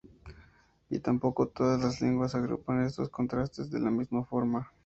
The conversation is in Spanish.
Y tampoco todas las lenguas agrupan estos contrastes de la misma forma.